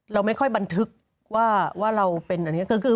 เราไม่ค่อยบันทึกว่าเราเป็นอันนี้